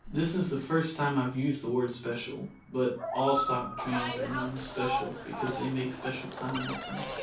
This is the first time I've used the word special, but all stock trains are known as specials because they make special time with them.